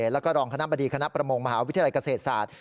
แล้วก็รองคณะบดีคณะประมงมหาวิทยาลัยเกษตรศาสตร์